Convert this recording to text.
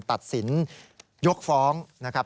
ตัดสินยกฟ้องนะครับ